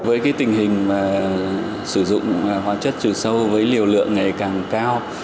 với tình hình sử dụng hóa chất trừ sâu với liều lượng ngày càng cao